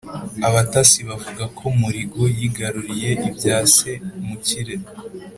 abatasi bavuga ko muligo yigaruriye ibya se mukire;